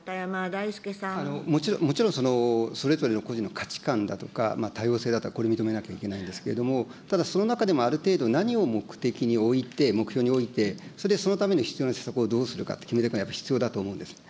もちろん、それぞれの個人の価値観だとか、多様性だとか、これは認めないといけないんですけれども、ただ、その中でもある程度、何を目的に置いて、目標において、それ、そのために必要な政策をどうするか、決めるのがやっぱり必要だと思うんです。